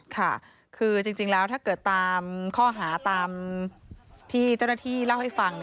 ค่ะคือจริงแล้วถ้าเกิดตามข้อหาตามที่เจ้าหน้าที่เล่าให้ฟัง